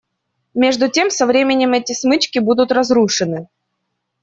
Между тем со временем эти смычки были разрушены.